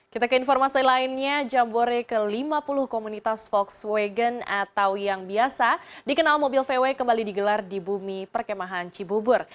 kita ke informasi lainnya jambore ke lima puluh komunitas volkswagen atau yang biasa dikenal mobil vw kembali digelar di bumi perkemahan cibubur